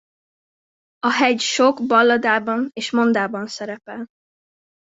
A hegy sok balladában és mondában szerepel.